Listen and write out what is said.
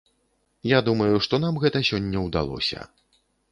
Я думаю, што нам гэта сёння ўдалося.